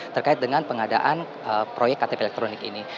terkait dengan pengadaan proyek ktp elektronik ini